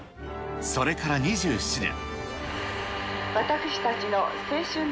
それから２７年。